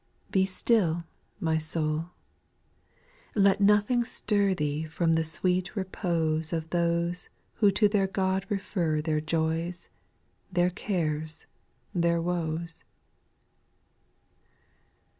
TVE still, my soul, let nothing stir Jj Thee from the sweet repose Of those who to their God refer Their joys, their cares, their woes.